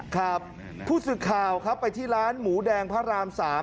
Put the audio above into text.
ครับผู้สื่อข่าวครับไปที่ร้านหมูแดงพระราม๓